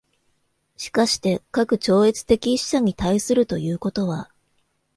而して、かく超越的一者に対するということは、